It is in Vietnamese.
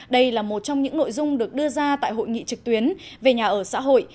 đây là một trong những nội dung được đưa ra tại hội nghị trực tuyến về nhà ở xã hội